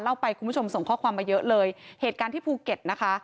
ไปคุณผู้ชมส่งข้อความมาเยอะเลยเหตุการณ์ที่ภูเก็ตนะคะ